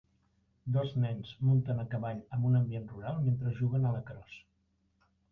Dos nens muntant a cavall en un ambient rural mentre juguen a lacrosse